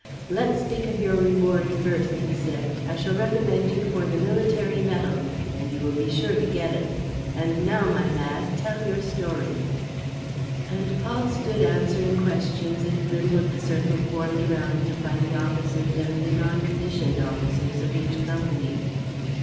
"Let's speak of your reward first," he said. "I shall recommend you for the military medal; and you will be sure to get it. And now, my lad, tell your story." And Paul stood answering questions in the middle of the circle formed around him by the officers and the non commissioned officers of each company.